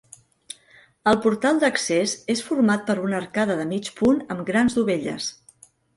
El portal d'accés és format per una arcada de mig punt amb grans dovelles.